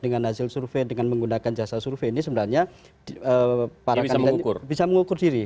dengan hasil survei dengan menggunakan jasa survei ini sebenarnya para kandidat bisa mengukur diri